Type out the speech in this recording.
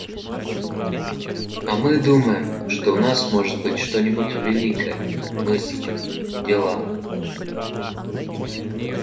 А мы думаем, что у нас может быть что-нибудь великое, — мысли, дела!